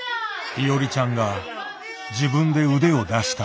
いおりちゃんが自分で腕を出した。